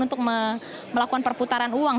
untuk melakukan perputaran uang